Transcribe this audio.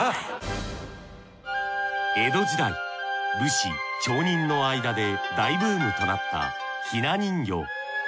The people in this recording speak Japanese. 江戸時代武士町人の間で大ブームとなったひな人形。